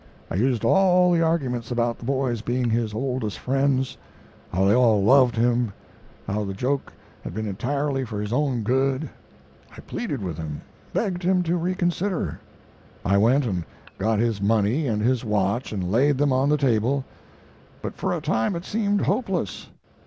I used all the arguments about the boys being his oldest friends; how they all loved him, and how the joke had been entirely for his own good; I pleaded with him, begged him to reconsider; I went and got his money and his watch and laid them on the table; but for a time it seemed hopeless.